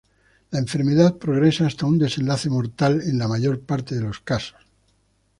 La enfermedad progresa hasta un desenlace mortal en la mayor parte de los casos.